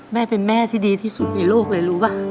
แม่เป็นแม่ที่ดีที่สุดในโลกเลยรู้ป่ะ